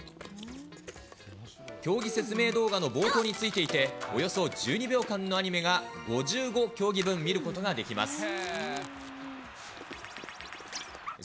競技説明動画の冒頭についていて、およそ１２秒間のアニメが５５競技分見ることができます。